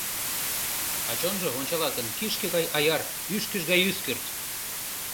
А чонжо, ончалат гын, кишке гай аяр, ӱшкыж гай ӱскырт.